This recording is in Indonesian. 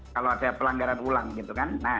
kalau ada pelanggaran ulang gitu kan